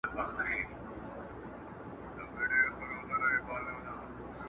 لا تر څو به دا سړې دا اوږدې شپې وي!